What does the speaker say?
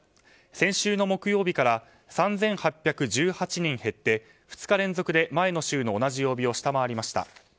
先週の木曜日から３８１８人減って２日連続で前の週の同じ曜日を下回りました。